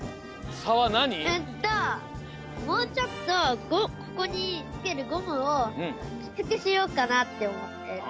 うんともうちょっとここにつけるゴムをきつくしようかなっておもって。